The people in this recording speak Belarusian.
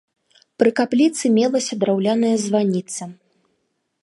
Пры капліцы мелася драўляная званіца.